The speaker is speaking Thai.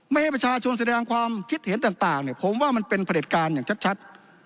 ไม่ให้ประชาชนแสดงความคิดเห็นต่างผมว่ามันเป็นผลิตการอย่างชัด